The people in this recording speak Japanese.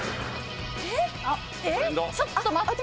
えっ⁉ちょっと待って。